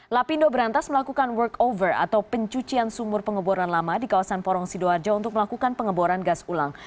lapindo berantas melakukan workover atau pencucian sumur pengeboran lama di kawasan porong sidoarjo untuk melakukan pengeboran gas ulang